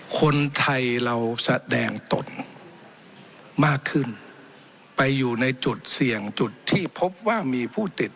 คนไทยเราแสดงตนมากขึ้นไปอยู่ในจุดเสี่ยงจุดที่พบว่ามีผู้ติด